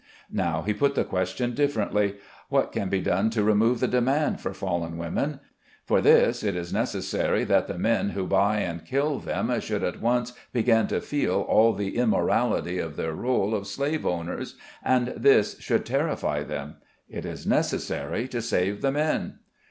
Now he put the question differently. What can be done to remove the demand for fallen women? For this it is necessary that the men who buy and kill them should at once begin to feel all the immorality of their rôle of slave owners, and this should terrify them. It is necessary to save the men.